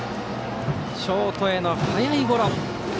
ショートへの速いゴロ。